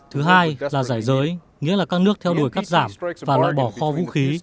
thứ hai là giải giới nghĩa là các nước theo đuổi cắt giảm và loại bỏ kho vũ khí